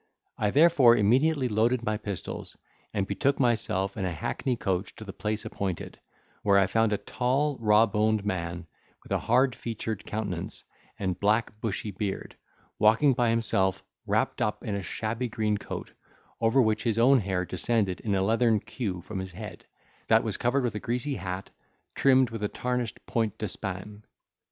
I therefore immediately loaded my pistols, and betook myself in a hackney coach to the place appointed, where I found a tall raw boned man, with a hard featured countenance and black bushy beard, walking by himself, wrapped up in a shabby green coat, over which his own hair descended in leathern queue from his head, that was covered with a greasy hat trimmed with a tarnished pointe d'Espagne.